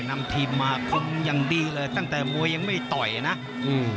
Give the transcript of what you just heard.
นำทีมมาคุมอย่างดีเลยตั้งแต่มวยยังไม่ต่อยนะอืม